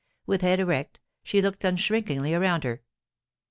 With head erect, she looked unshrinkingly around her.